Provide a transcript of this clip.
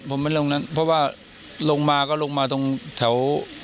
ผมไม่ลงนั้นเพราะว่าลงมาก็ลงมาตรงแถว